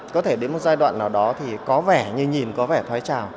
có thể đến một giai đoạn nào đó thì có vẻ như nhìn có vẻ thoái trào